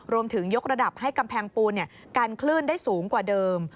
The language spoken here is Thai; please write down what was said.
ยกระดับให้กำแพงปูนกันคลื่นได้สูงกว่าเดิม